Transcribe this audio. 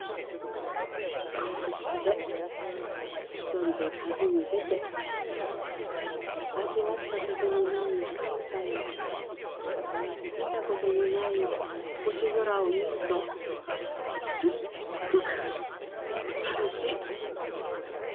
こうして１人で旅に出て味わったことのない寒さや見たことのない星空を見るとすっごく楽しい！